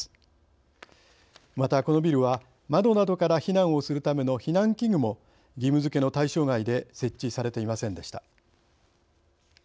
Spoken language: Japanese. またこのビルは窓などから避難をするための避難器具も義務づけの対象外で設置されていませんでした。